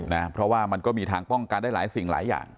นะเพราะว่ามันก็มีทางป้องกันได้หลายสิ่งหลายอย่าง